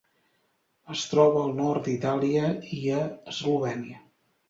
Es troba al nord d'Itàlia i a Eslovènia.